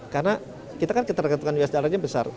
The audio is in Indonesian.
karena kita kan ketergantungan biasa darahnya besar